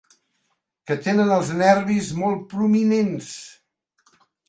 Que tenen els nervis molt prominents.